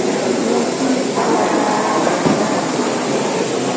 نیکي خپله جزا لري